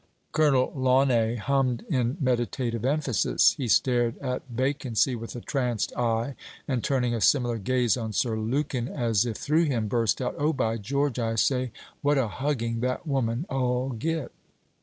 Colonel Launay hummed in meditative emphasis. He stared at vacancy with a tranced eye, and turning a similar gaze on Sir Lukin, as if through him, burst out: 'Oh, by George, I say, what a hugging that woman 'll get!'